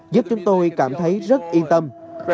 giúp chúng tôi cảm thấy rất yên tâm